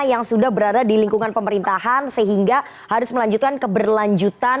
yang sudah berada di lingkungan pemerintahan sehingga harus melanjutkan keberlanjutan